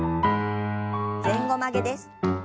前後曲げです。